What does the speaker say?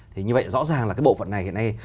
thì như vậy rõ ràng là bộ phận này